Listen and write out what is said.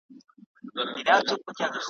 قصابان یې د لېوه له زامو ژغوري `